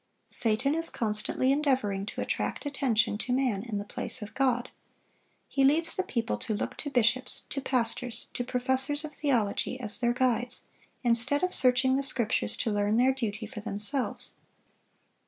Satan is constantly endeavoring to attract attention to man in the place of God. He leads the people to look to bishops, to pastors, to professors of theology, as their guides, instead of searching the Scriptures to learn their duty for themselves.